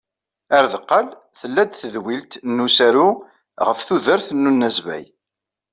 Ar deqqal, tella-d tedwilt n usaru ɣef tudert n unazbay.